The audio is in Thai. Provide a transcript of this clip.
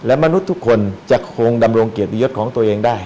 และมนุษย์ทุกคนจะคงดำรงเกียรติยศของตัวเองได้